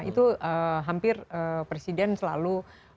itu hampir presiden selalu